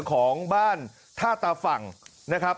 ของบ้านท่าตาฝั่งนะครับ